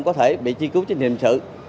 có thể bị chi cứu trên hiệp sự